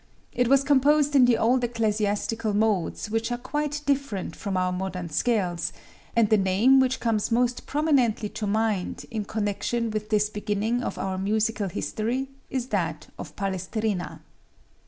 It was composed in the old ecclesiastical modes, which are quite different from our modern scales, and the name which comes most prominently to mind in connection with this beginning of our musical history is that of Palestrina.